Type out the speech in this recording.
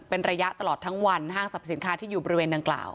เป็นระยะตลอดทั้งวันห้างสรรพสินค้าที่อยู่บริเวณดังกล่าว